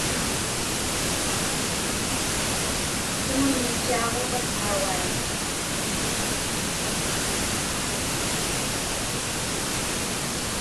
Sumun mitchaaġuuvat qaugait?